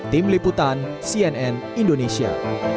tim liputan cnn indonesia